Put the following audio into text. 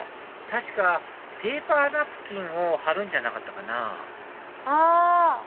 確かペーパーナプキンを貼るんじゃなかったかなあ！